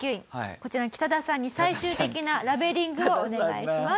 こちらのキタダさんに最終的なラベリングをお願いします。